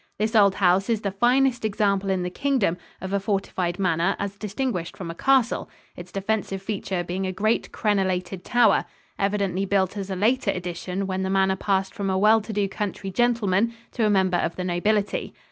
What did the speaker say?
This old house is the finest example in the Kingdom of a fortified manor as distinguished from a castle, its defensive feature being a great crenolated tower, evidently built as a later addition when the manor passed from a well to do country gentleman to a member of the nobility.